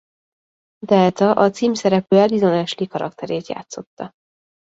Delta a címszereplő Alison Ashley karakterét játszotta.